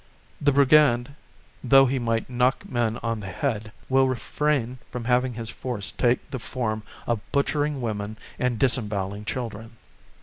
The brigand, though he might knock men on the head, will refrain from having his force take the form of butchering women and disembowelling children.